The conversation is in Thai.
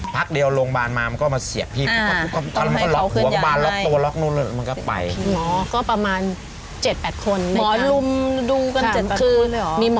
เป็นร้อยลูกรอภาพเป็นร้อยลูกรอเป็นร้อยลูกรอแล้วก็ถ่ายลูกให้ดูใช่